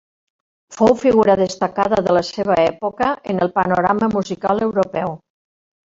Fou figura destacada de la seva època en el panorama musical europeu.